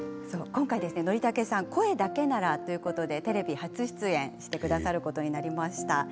今回Ｎｏｒｉｔａｋｅさんは声だけならということでテレビ初出演してくださることになりました。